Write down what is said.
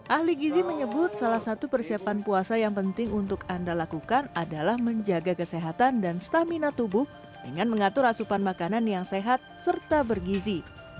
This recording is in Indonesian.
ahli gizi menyebut salah satu persiapan puasa yang penting untuk anda lakukan adalah menjaga kesehatan dan stamina tubuh dengan mengatur asupan makanan yang sehat serta bergizi